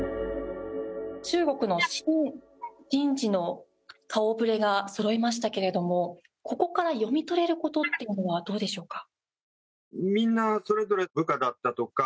中国の新人事の顔触れがそろいましたけれどもここから読み取れることってのはどうでしょうか？